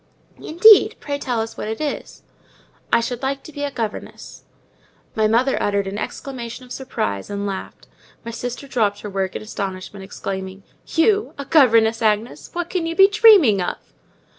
"Indeed! pray tell us what it is." "I should like to be a governess." My mother uttered an exclamation of surprise, and laughed. My sister dropped her work in astonishment, exclaiming, "You a governess, Agnes! What can you be dreaming of?"